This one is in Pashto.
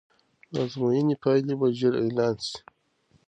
د ازموینې پایلې به ژر اعلان سي.